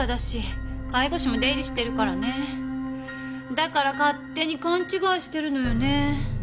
だから勝手に勘違いしてるのよね。